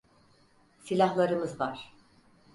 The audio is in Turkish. Silahlarımız var.